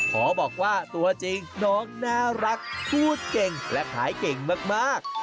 ขอบอกว่าตัวจริงน้องน่ารักพูดเก่งและขายเก่งมาก